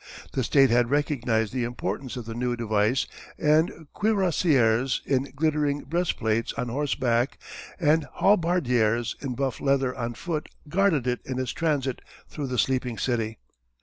The state had recognized the importance of the new device and cuirassiers in glittering breastplates on horseback, and halbardiers in buff leather on foot guarded it in its transit through the sleeping city.